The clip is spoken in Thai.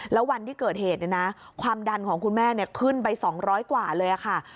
แล้ววันที่เกิดเหตุความดันของคุณแม่ขึ้นไป๒๐๐กว่าเลยค่ะ